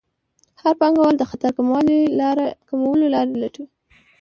هر پانګوال د خطر کمولو لارې لټوي.